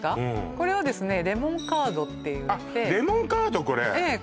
これはですねレモンカードっていってあっレモンカードこれええ